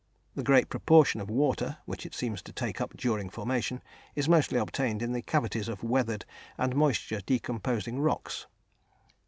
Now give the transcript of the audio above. The great proportion of water, which it seems to take up during formation, is mostly obtained in the cavities of weathered and moisture decomposing rocks.